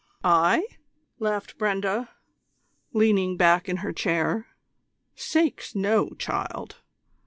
"I?" laughed Brenda, leaning back in her chair. "Sakes, no, child!